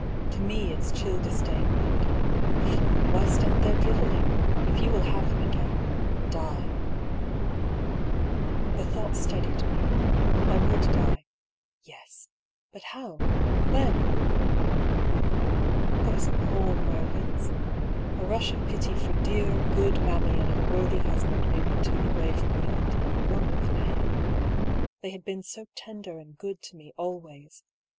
To me its chill disdain meant: ^^Fool, why stand there drivelling ? If you will have him again, die:' The thought steadied me. I would die. Tes ; but how, when ? 132 I>R. PAULL'S THEORY. Those poor Mervyns ! A rush of pity for dear, good Mammy and her worthy husband made me turn away from the idea, wrung with pain. They had been so tender and good to me always.